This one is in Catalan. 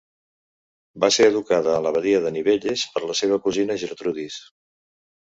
Va ésser educada a l'abadia de Nivelles per la seva cosina Gertrudis.